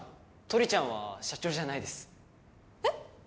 トリちゃんは社長じゃないですえっ？